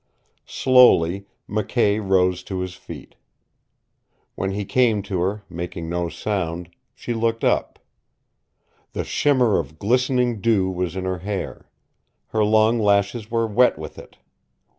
Slowly McKay rose to his feet. When he came to her, making no sound, she looked up. The shimmer of glistening dew was in her hair. Her long lashes were wet with it.